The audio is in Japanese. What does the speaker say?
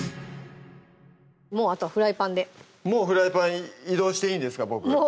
もうあとはフライパンでもうフライパン移動していいんですかボク